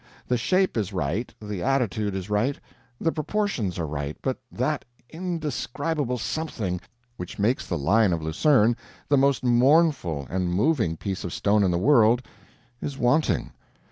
The shape is right, the attitude is right, the proportions are right, but that indescribable something which makes the Lion of Lucerne the most mournful and moving piece of stone in the world, is wanting.